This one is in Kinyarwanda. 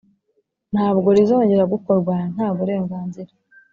Ntabwo rizongera gukorwa ntaburenganzira